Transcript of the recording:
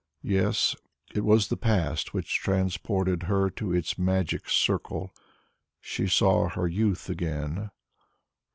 Yes, it was the past which transported her to its magic circle; she saw her youth again.